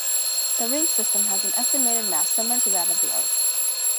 The ring system has an estimated mass similar to that of the Earth.